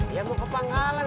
yang mau ke pangalan